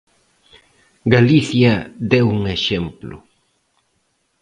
Galicia deu un exemplo.